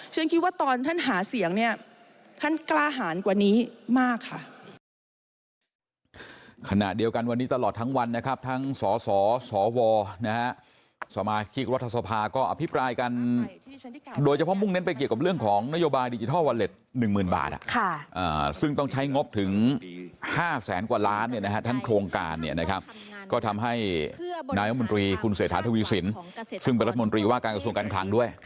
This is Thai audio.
ฉันคิดว่าตอนท่านหาเสียงเนี่ยท่านกล้าหารกว่านี้มากค่ะ